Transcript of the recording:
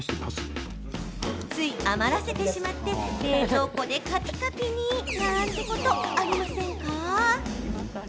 つい余らせてしまって冷蔵庫でカピカピになんてこと、ありませんか？